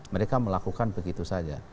mereka melakukan begitu saja